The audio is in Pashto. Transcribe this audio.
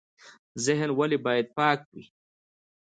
ذهن ولې باید پاک وي؟